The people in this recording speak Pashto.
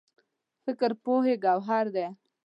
فکر پوهې ګوهر دی.